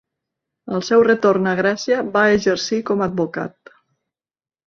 Al seu retorn a Grècia va exercir com advocat.